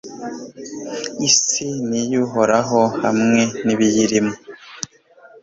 isi ni iy'uhoraho, hamwe n'ibiyirimo